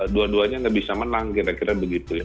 dua duanya nggak bisa menang kira kira begitu ya